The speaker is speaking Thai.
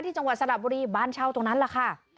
จังหวัดสระบุรีบ้านเช่าตรงนั้นแหละค่ะ